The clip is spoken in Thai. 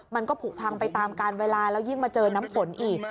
มันก็ผูกพังไปตามการเวลาแล้วยิ่งมาเจอน้ำฝนอีก